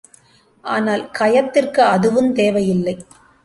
ஆனால் கயத்திற்கு அதுவுந்தேவையில்லை.